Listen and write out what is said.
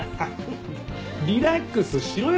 リラックスしろよ。